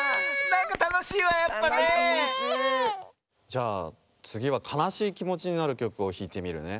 じゃあつぎはかなしいきもちになるきょくをひいてみるね。